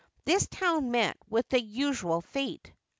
This town met with the usual fate.